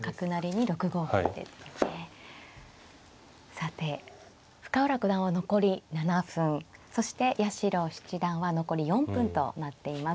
さて深浦九段は残り７分そして八代七段は残り４分となっています。